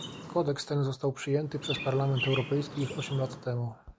Kodeks ten został przyjęty przez Parlament Europejski już osiem lat temu